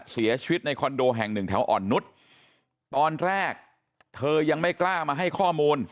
เสียชีวิตในคอนโดแห่งหนึ่งแถวอ่อนนุษย์ตอนแรกเธอยังไม่กล้ามาให้ข้อมูล